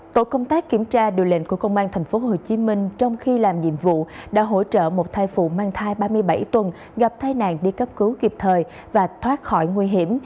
tổ công tác kiểm tra điều lệnh của công an tp hcm trong khi làm nhiệm vụ đã hỗ trợ một thai phụ mang thai ba mươi bảy tuần gặp tai nạn đi cấp cứu kịp thời và thoát khỏi nguy hiểm